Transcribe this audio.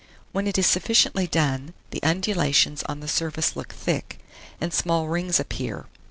When it is sufficiently done, the undulations on the surface look thick, and small rings appear.